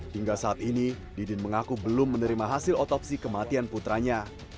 hingga saat ini didin mengaku belum menerima hasil otopsi kematian putranya